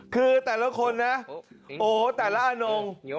คือแต่ละคนนะโอ้แต่ละอนง